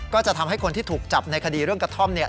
ก็จะทำให้คนที่ถูกจับในคดีเรื่องกระท่อมเนี่ย